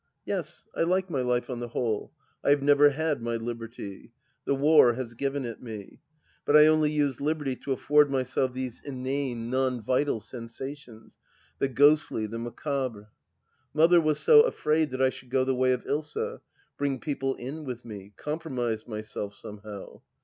Yes, I like my life on the whole. I have never had my liberty. The war has given it me. But I only use liberty to afford myself these inane, non vital sensations— the ghostly, the macabre. ... Mother was so afraid that I should go the way of Ilsa: bring people in with me; compromise myself, somehow.